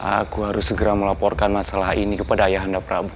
aku harus segera melaporkan masalah ini kepada ayah anda prabu